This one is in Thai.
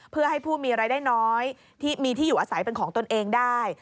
เพื่อให้ผู้มีรายได้น้อยที่มีที่อยู่อาศัยเป็นของตนเองได้